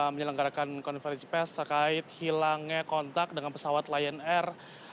menyelenggarakan konferensi pers terkait hilangnya kontak dengan pesawat lion air enam ratus sepuluh